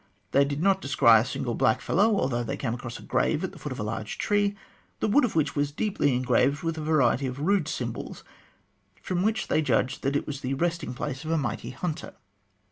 They did not descry a single blackfellow, although they came across a grave at the foot of a large tree, the wood of which was deeply engraved with a variety of rude symbols, from which they judged that it was the resting place of a mighty hunter.